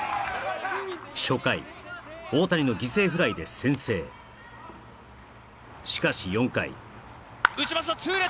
初回大谷の犠牲フライで先制しかし４回打ちました痛烈